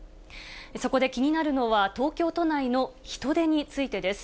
そこで気になるのは、東京都内の人出についてです。